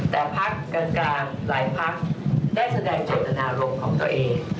แต่ภักดิ์กันกลางหลายภักดิ์ได้แสดงเจตนารมณ์ของตัวเอง